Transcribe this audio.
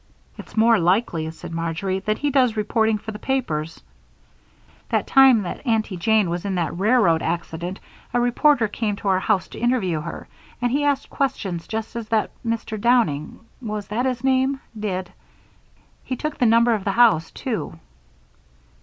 "It's more likely," said Marjory, "that he does reporting for the papers. The time Aunty Jane was in that railroad accident, a reporter came to our house to interview her, and he asked questions just as that Mr. Downing was that his name? did. He took the number of the house, too."